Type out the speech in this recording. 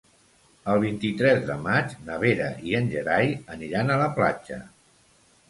El vint-i-tres de maig na Vera i en Gerai aniran a la platja.